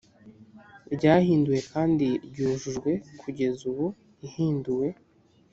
ryahinduwe kandi ryujujwe kugeza ubu ihinduwe